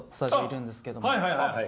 はい